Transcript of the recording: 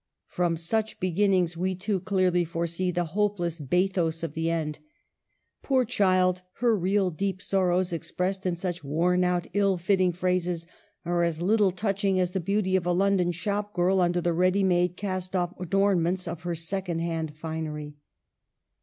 From such beginnings we too clearly foresee the hopeless bathos of the end. Poor child, her real, deep sorrows, expressed in such worn out ill fitting phrases, are as little touching as the beauty of a London shop girl under the ready made cast off adornments of her second hand finery.